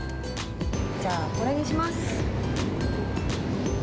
じゃあ、これにします。